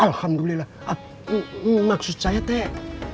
alhamdulillah maksud saya teh